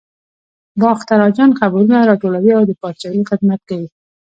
باختر اجان خبرونه راټولوي او د پاچاهۍ خدمت کوي.